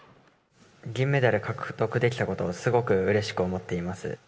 銀メダル獲得できたことを、すごくうれしく思っています。